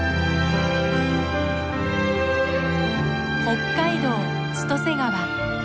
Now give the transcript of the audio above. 北海道千歳川。